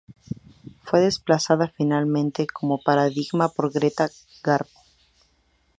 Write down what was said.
Fue desplazada finalmente como paradigma por Greta Garbo≫.